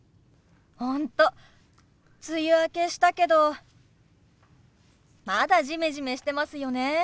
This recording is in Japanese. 本当梅雨明けしたけどまだジメジメしてますよね。